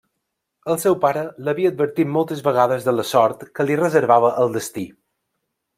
El seu pare l'havia advertit moltes vegades de la sort que li reservava el destí.